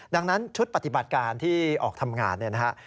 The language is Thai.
ดังนั้นชุดปฏิบัติการที่ออกทำงานเนี่ยนะฮะ